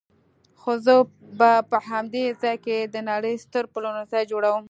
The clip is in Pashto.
خو زه به په همدې ځای کې د نړۍ ستر پلورنځی جوړوم.